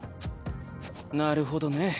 なるほどね。